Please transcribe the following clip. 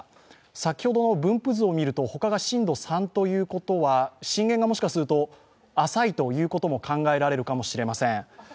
先ほどの分布図を見ると、他が震度３ということは、震源がもしかすると浅いということも考えられるかもしれません。